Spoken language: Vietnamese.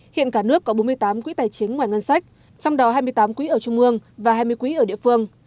hiện cả nước có bốn mươi tám quỹ tài chính ngoài ngân sách trong đó hai mươi tám quỹ ở trung ương và hai mươi quỹ ở địa phương